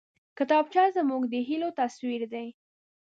کتابچه زموږ د هيلو تصویر دی